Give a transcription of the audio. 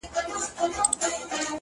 غنمرنگو کي سوالگري پيدا کيږي!